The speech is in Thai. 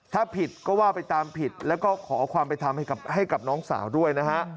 ถ้าผิดก็ว่าไปตามผิดแล้วก็ขอความไปทำให้กับน้องสาวด้วย